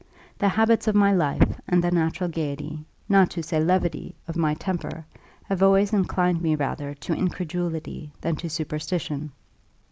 The habits of my life, and the natural gaiety, not to say levity, of my temper, have always inclined me rather to incredulity than to superstition.